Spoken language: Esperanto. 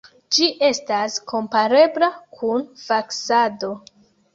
Ĝi estas komparebla kun faksado.